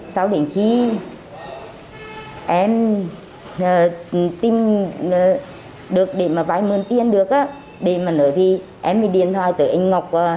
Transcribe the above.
sau đến khi em tìm được để mà vay mươn tiền được á để mà nữa thì em mới điện thoại tới anh ngọc